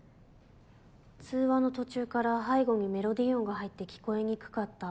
「通話の途中から背後にメロディ音が入って、聞こえにくかった。